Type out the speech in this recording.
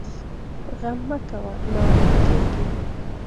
غم مه کوه ، ناروغ کېږې!